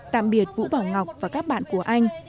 tạm biệt vũ bảo ngọc và các bạn của anh